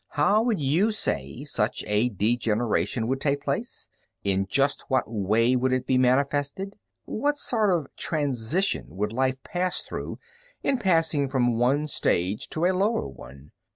How would you say such a degeneration would take place? In just what way would it be manifested? What sort of transition would life pass through in passing from one stage to a lower one?